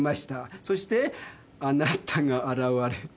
そしてあなたが現れた。